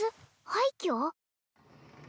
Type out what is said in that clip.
廃虚？